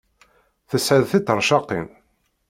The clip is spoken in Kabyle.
Tesɛid tiṭercaqin?